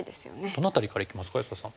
どの辺りからいきますか安田さん。